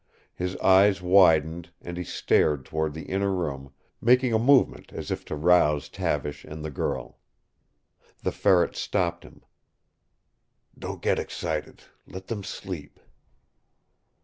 His eyes widened, and he stared toward the inner room, making a movement as if to rouse Tavish and the girl. The Ferret stopped him. "Don't get excited. Let them sleep."